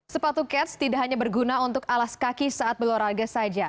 sepatu cats tidak hanya berguna untuk alas kaki saat berolahraga saja